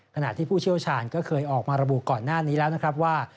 ขณะที่ผู้เชี่ยวชาญก็เคยออกมาระบุก่อนหน้านี้แล้วนะครับว่า